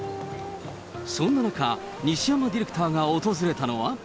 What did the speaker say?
そんな中、西山ディレクターが訪れたのは。